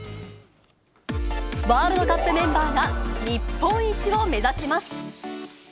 ワールドカップメンバーが日本一を目指します。